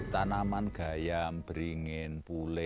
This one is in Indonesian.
tanaman gayam beringin pule